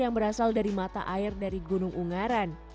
yang berasal dari mata air dari gunung ungaran